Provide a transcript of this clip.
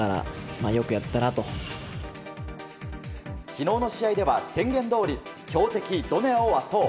昨日の試合では宣言どおり強敵ドネアを圧倒。